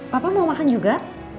papa mau makan juga